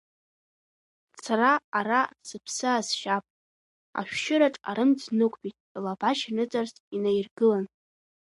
Сара ара сыԥсы аасшьап, ашәшьырҵаҿ арымӡ днықәтәеит, илабашьа ныҵарс инаиргылан.